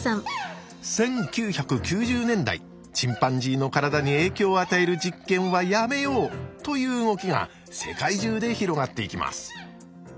１９９０年代チンパンジーの体に影響を与える実験はやめようという動きが世界中で広がっていきます。